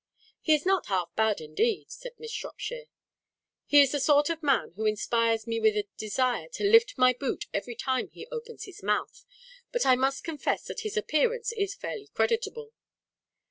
"He is not half bad, indeed," said Miss Shropshire. "He is the sort of man who inspires me with a desire to lift my boot every time he opens his mouth. But I must confess that his appearance is fairly creditable.